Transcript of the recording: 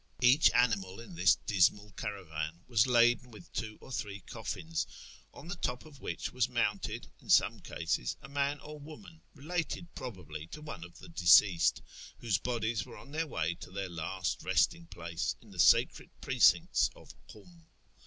Each niiiinal in this dismal caravan was laden M'illi two or three cothns, on llm lop of which was mounted, in sonic cases, a man or woman, related probably to one of tlic deceased, whose bodies were on their M'ay to their last resting place in the sacred precincts of Kum.